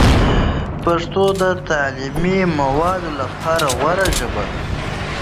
پښتو د تعلیمي موادو لپاره غوره ژبه ده.